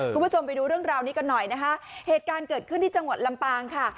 คุณผู้ชมไปดูเรื่องราวนี้กันหน่อยนะคะเหตุการณ์เกิดขึ้นที่จังหวัดลำปางค่ะ